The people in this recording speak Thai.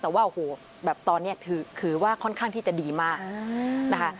แต่ว่าโอ้โหแบบตอนนี้ถือว่าค่อนข้างที่จะดีมากนะคะ